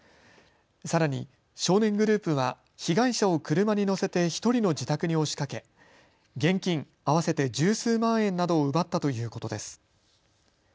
さらに、少年グループは被害者を車に乗せて１人の自宅に押しかけ現金合わせて十数万円などを奪ったということです。